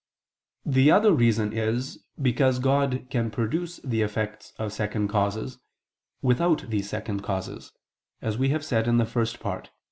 The other reason is, because God can produce the effects of second causes, without these second causes, as we have said in the First Part (Q.